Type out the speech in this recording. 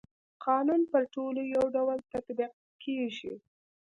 قانون پر ټولو يو ډول تطبيق کيږي.